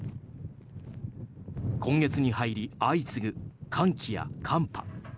今月に入り相次ぐ寒気や寒波。